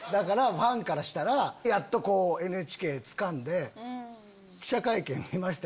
ファンからしたらやっとＮＨＫつかんで。